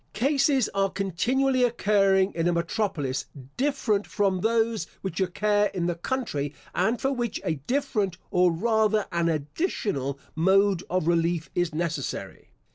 Cases are continually occurring in a metropolis, different from those which occur in the country, and for which a different, or rather an additional, mode of relief is necessary.